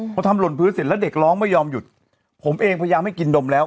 พอทำหล่นพื้นเสร็จแล้วเด็กร้องไม่ยอมหยุดผมเองพยายามให้กินดมแล้ว